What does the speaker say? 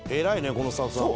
このスタッフさんは。